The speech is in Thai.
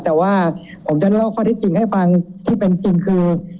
แต่ว่าผมจะเล่าข้อที่จริงให้ฟังที่เป็นจริงคือ